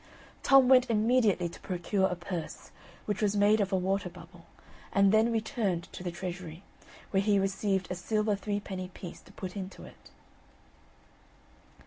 Tom went immediately to procure a purse, which was made of a water bubble, and then returned to the treasury, where he received a silver threepenny piece to put into it.